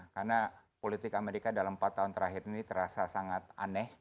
karena politik amerika dalam empat tahun terakhir ini terasa sangat aneh